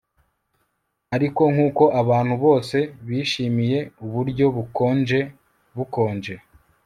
ariko nkuko abantu bose bishimiye uburyo bukonje bukonje